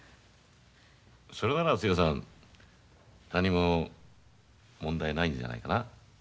それならつやさん何も問題ないんじゃないかな。